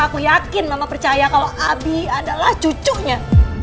aku yakin mama percaya kalau abi adalah cucunya